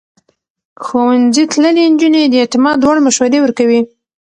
ښوونځی تللې نجونې د اعتماد وړ مشورې ورکوي.